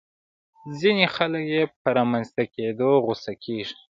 ځينې خلک يې په رامنځته کېدو غوسه کېږي.